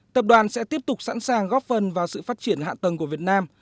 tập đoàn sẽ tiếp tục sẵn sàng góp phần vào sự phát triển hạ tầng của việt nam